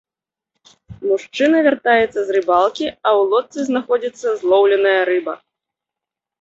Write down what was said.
Мужчына вяртаецца з рыбалкі, а ў лодцы знаходзіцца злоўленая рыба.